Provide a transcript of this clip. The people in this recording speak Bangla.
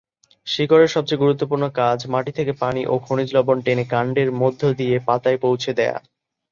শিকড়ের সবচেয়ে গুরুত্বপূর্ণ কাজ মাটি থেকে পানি ও খনিজ লবণ টেনে কাণ্ডের মধ্য দিয়ে পাতায় পৌঁছে দেয়া।